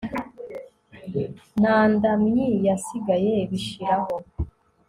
Nta ndamyi yasigaye bishiraho